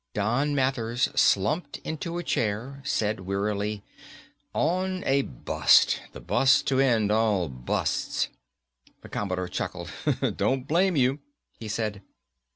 Don Mathers slumped into a chair, said wearily, "On a bust. The bust to end all busts." The Commodore chuckled. "Don't blame you," he said.